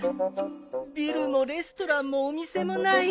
ビルもレストランもお店もない。